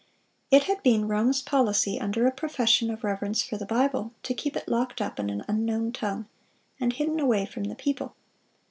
It had been Rome's policy, under a profession of reverence for the Bible, to keep it locked up in an unknown tongue, and hidden away from the people.